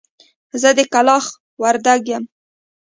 زه د کلاخ وردک يم.